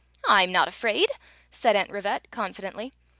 " I 'm not afraid," said Aunt Rivette, confidently.